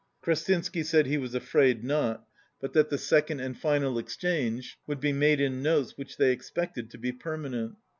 Kres tinsky said he was afraid not, but that the second 135 and final exchange would be made in notes which they expected to be permanent.